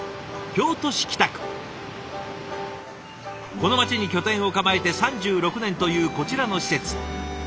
この街に拠点を構えて３６年というこちらの施設。